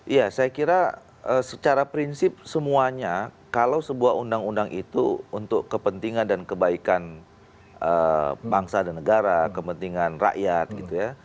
ya saya kira secara prinsip semuanya kalau sebuah undang undang itu untuk kepentingan dan kebaikan bangsa dan negara kepentingan rakyat gitu ya